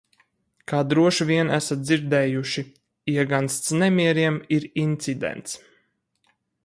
Kā droši vien esat dzirdējuši – iegansts nemieriem ir incidents.